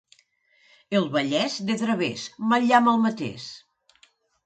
El Vallès de través, mal llamp el matés.